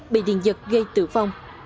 bị điện giật gây tử vong